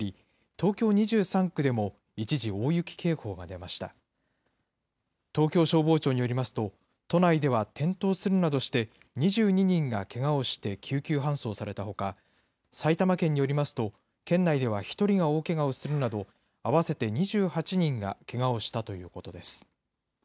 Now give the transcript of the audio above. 東京消防庁によりますと、都内では転倒するなどして、２２人がけがをして救急搬送されたほか、埼玉県によりますと、県内では１人が大けがをするなど、合わせて２８人がけがをしたということです。